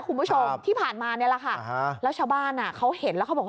คุณผู้ชมที่ผ่านมาเนี่ยแหละค่ะแล้วชาวบ้านอ่ะเขาเห็นแล้วเขาบอกว่า